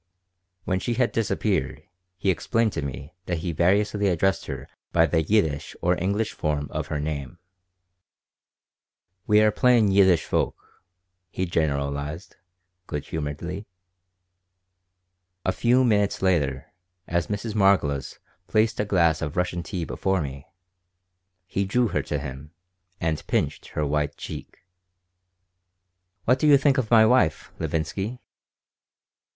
When she had disappeared he explained to me that he variously addressed her by the Yiddish or English form of her name "We are plain Yiddish folk," he generalized, good humoredly A few minutes later, as Mrs. Margolis placed a glass of Russian tea before me, he drew her to him and pinched her white cheek "What do you think of my wifey, Levinsky?"